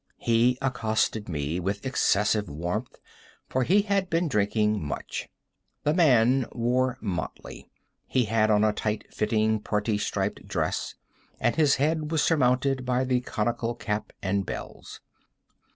He accosted me with excessive warmth, for he had been drinking much. The man wore motley. He had on a tight fitting parti striped dress, and his head was surmounted by the conical cap and bells.